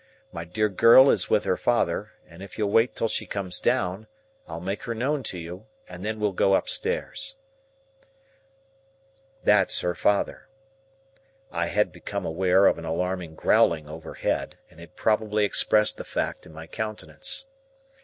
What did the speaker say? My dear girl is with her father; and if you'll wait till she comes down, I'll make you known to her, and then we'll go upstairs. That's her father." I had become aware of an alarming growling overhead, and had probably expressed the fact in my countenance.